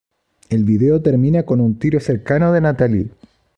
El video termina con un tiro cercano de Natalie.